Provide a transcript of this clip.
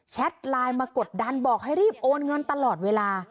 ไลน์มากดดันบอกให้รีบโอนเงินตลอดเวลา